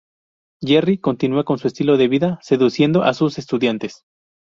Jerry continúa con su estilo de vida seduciendo a sus estudiantes.